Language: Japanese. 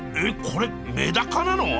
これメダカなの！？